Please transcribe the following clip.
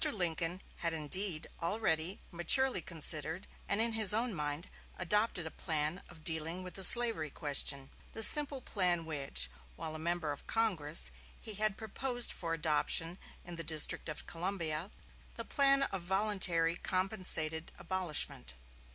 Lincoln had indeed already maturely considered and in his own mind adopted a plan of dealing with the slavery question: the simple plan which, while a member of Congress, he had proposed for adoption in the District of Columbia the plan of voluntary compensated abolishment.